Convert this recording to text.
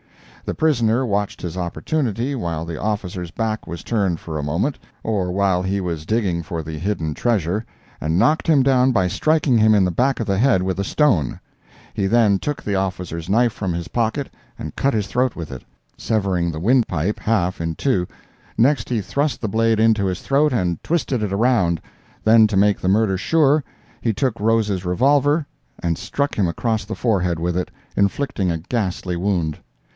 The prisoner watched his opportunity while the officer's back was turned for a moment, or while he was digging for the hidden treasure, and knocked him down by striking him in the back of the head with a stone; he then took the officer's knife from his pocket and cut his throat with it, severing the windpipe half in two; next he thrust the blade into his throat and twisted it round; then, to make the murder sure, he took Rose's revolver and struck him across the forehead with it, inflicting a ghastly wound.